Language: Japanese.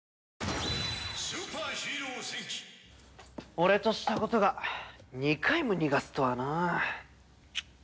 俺としたことが２回も逃がすとはなあ。